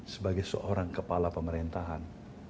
sebagai seorang kepala pemerintahan